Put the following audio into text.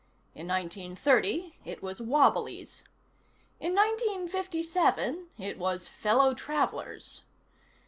In nineteen thirty, it was Wobblies. In nineteen fifty seven, it was fellow travelers.